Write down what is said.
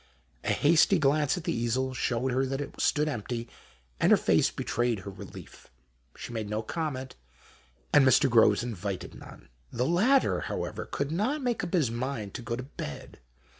A hasty glance at the easel showed her that it stood empty, and her face betrayed her relief. She made no comment, and Mr. Groves invited none. The latter, however, could not make up his mind to go to bed.